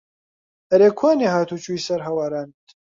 ئەرێ کوانێ هات و چووی سەر هەوارانت